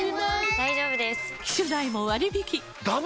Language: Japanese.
大丈夫です！